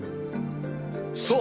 そう！